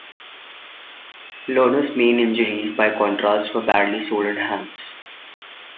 Lerner's main injuries, by contrast, were badly swollen hands.